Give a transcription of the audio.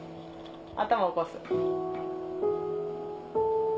頭起こす？